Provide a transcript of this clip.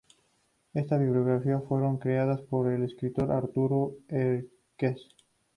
Estas biografías fueron creadas por el escritor Arturo Enríquez.